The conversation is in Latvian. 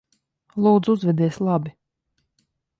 Lūdzu, uzvedies labi.